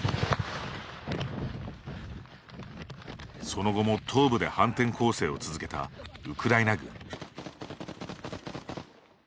その後も東部で反転攻勢を続けたウクライナ軍。